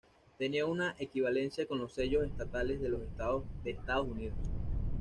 Tenía una equivalencia con los sellos estatales de los estados de Estados Unidos.